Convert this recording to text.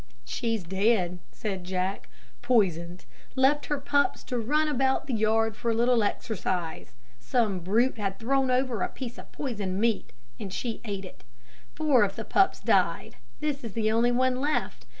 "She's dead," said Jack. "Poisoned left her pups to run about the yard for a little exercise. Some brute had thrown over a piece of poisoned meat, and she ate it. Four of the pups died. This is the only one left.